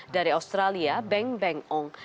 dari australia beng beng ong